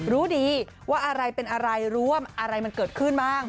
รู้ดีว่าอะไรเป็นอะไรรู้ว่าอะไรมันเกิดขึ้นบ้าง